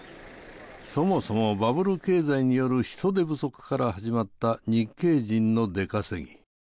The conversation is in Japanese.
そもそもバブル経済による人手不足から始まった日系人の出稼ぎ。